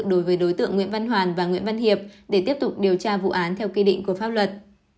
đối với đối tượng nguyễn văn hoàn và nguyễn văn hiệp để tiếp tục điều tra vụ án theo quy định của pháp luật